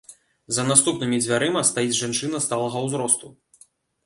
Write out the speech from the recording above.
За наступнымі дзвярыма стаіць жанчына сталага ўзросту.